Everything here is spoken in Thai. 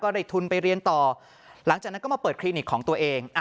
ได้ทุนไปเรียนต่อหลังจากนั้นก็มาเปิดคลินิกของตัวเอง